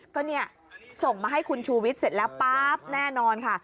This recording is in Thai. ก็เนี่ยส่งมาให้คุณชูวิทย์เสร็จแล้วป๊าบแน่นอนค่ะ